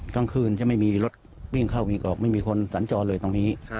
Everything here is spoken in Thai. กลางคืนจะไม่มีรถวิ่งเข้าวิ่งออกไม่มีคนสัญจรเลยตรงนี้